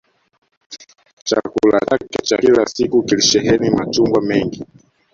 Chakula chake cha kila siku kilisheheni machungwa mengi